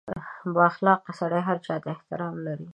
• بااخلاقه سړی هر چا ته احترام لري.